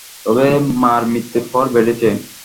তবে মার মৃত্যুর পর বেড়েছে।